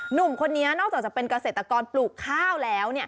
หนุ่มคนนี้นอกจากจะเป็นเกษตรกรปลูกข้าวแล้ว